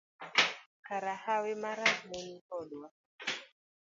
Kara hawi marach ne ni kodwa.